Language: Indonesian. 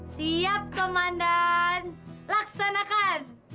siap komandan laksanakan